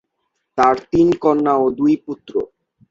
তার তিন কন্যা ও দুই পুত্র।